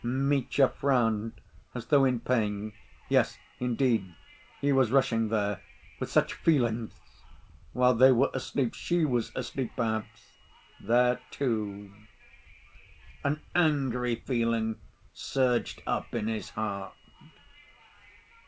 Mitya frowned as though in pain. Yes, indeed ... he was rushing there ... with such feelings ... while they were asleep ... she was asleep, perhaps, there too.... An angry feeling surged up in his heart.